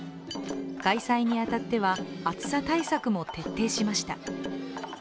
開催に当たっては、暑さ対策も徹底しました。